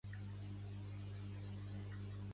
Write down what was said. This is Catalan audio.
Pertany al moviment independentista l'Alfreda?